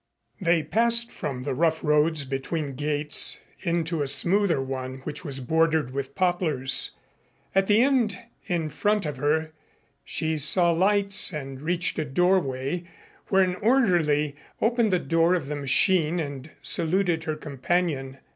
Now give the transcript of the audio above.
They passed from the rough roads between gates into a smoother one which was bordered with poplars. At the end in front of her she saw lights and reached a doorway, where an orderly opened the door of the machine and saluted her companion.